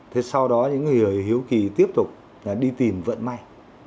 thế sau đó những người hiếu kỳ tiếp tục đi tìm vận may